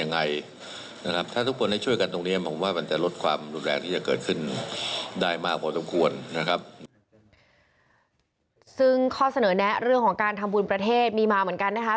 เนี่ยเรื่องของการทำบุญประเทศมีมาเหมือนกันนะคะ